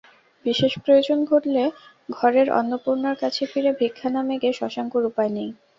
বিশেষ প্রয়োজন ঘটলে ঘরের অন্নপূর্ণার কাছে ফিরে ভিক্ষা না মেগে শশাঙ্কর উপায় নেই।